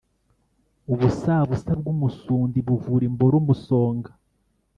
ubusabusa bw’umusundi buvura imboro umusonga.